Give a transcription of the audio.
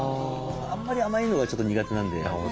あんまり甘いのがちょっと苦手なんで。